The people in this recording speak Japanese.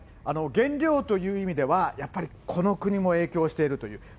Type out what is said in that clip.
原料という意味では、やっぱりこの国も影響しているという。